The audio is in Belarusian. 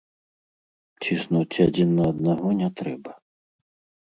Ціснуць адзін на аднаго не трэба.